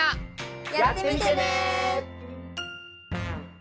やってみてね。